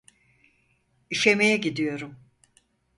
İşemeye gidiyorum.